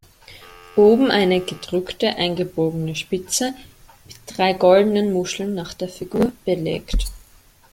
Oben eine gedrückte eingebogene Spitze mit drei goldenen Muscheln nach der Figur belegt.